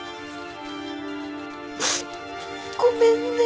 ごめんね！